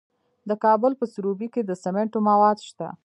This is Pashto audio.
د کابل په سروبي کې د سمنټو مواد شته.